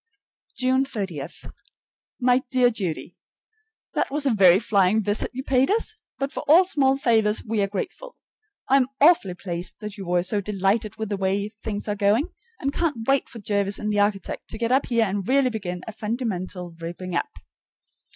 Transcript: June 30. My dear Judy: That was a very flying visit you paid us; but for all small favors we are grateful. I am awfully pleased that you were so delighted with the way things are going, and I can't wait for Jervis and the architect to get up here and really begin a fundamental ripping up.